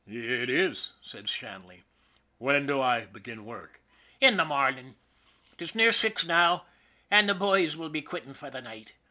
"" It is," said Shanley. " When do I begin work? "" In the mornin'. Tis near six now, an' the bhoys'll be quittin' for the night.